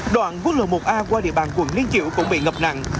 đoạn quốc lộ một a qua địa bàn quận liên triệu cũng bị ngập nặng